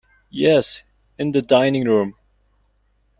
Yes, in the dining-room.